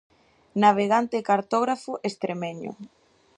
Navegante e cartógrafo estremeño.